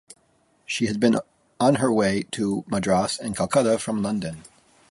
She had been on her way to Madras and Calcutta from London.